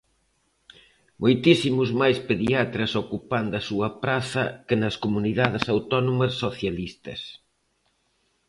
Moitísimos máis pediatras ocupando a súa praza que nas comunidades autónomas socialistas.